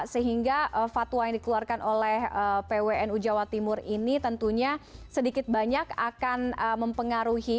sehingga fatwa yang dikeluarkan oleh pwn ujt ini tentunya sedikit banyak akan mempengaruhi